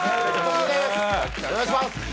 お願いします